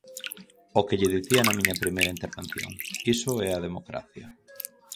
O que lle dicía na miña primeira intervención: iso é a democracia.